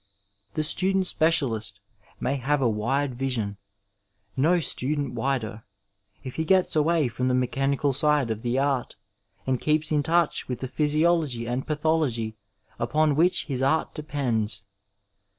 The student specialist may have a wide vision — ^no student wider — if he gets away from the mechanical side of the art, and keeps in touch with the physiology and pathology upon which his art depends.